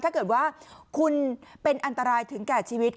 ถ้าเกิดว่าคุณเป็นอันตรายถึงแก่ชีวิต